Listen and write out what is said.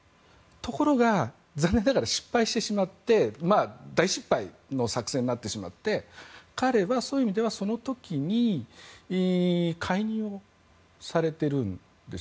ところが、残念ながら失敗してしまって大失敗の作戦になってしまって彼は、そういう意味ではその時に解任をされているんです。